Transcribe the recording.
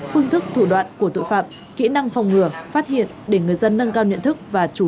phương thức thủ đoạn của tội phạm kỹ năng phòng ngừa